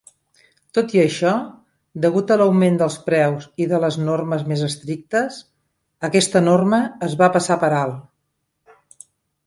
Tot i això, degut a l'augment dels preus i de les normes més estrictes, aquesta norma es va passar per alt.